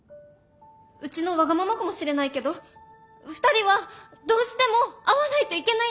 うちのわがままかもしれないけど２人はどうしても会わないといけないんです！